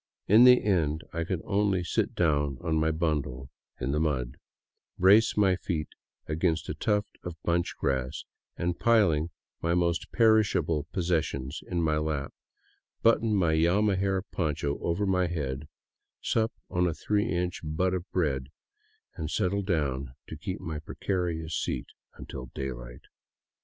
In the end I could only sit down on my bundle in the mud, brace my feet against a tuft of bunch grass and, piling my most perishable possessions in my lap, button my llama hair poncho over my head, sup on a three inch butt of bread, and settle down to keep my precarious seat until daylight.